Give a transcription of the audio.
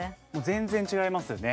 全然違いますよね。